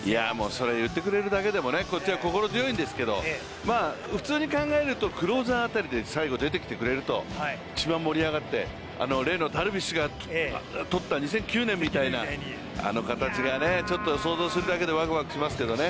それを言ってくれるだけでもこっちは心強いんですけど普通に考えるとクローザー辺りで最後出てくれると一番盛り上がって例のダルビッシュがとった２００９年みたいな、あの形がちょっと想像するだけでわくわくしますけどもね。